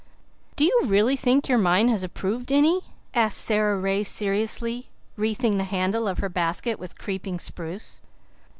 "Do you really think your mind has improved any?" asked Sara Ray seriously, wreathing the handle of her basket with creeping spruce.